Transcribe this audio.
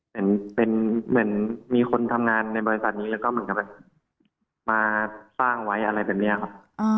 เหมือนมีคนทำงานในบริษัทนี้แล้วก็มาตั้งไว้อะไรแบบนี้ครับ